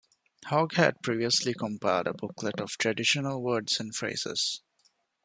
Hogg had previously compiled a booklet of traditional words and phrases.